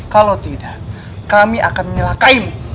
kalau tidak kami akan menyalahkain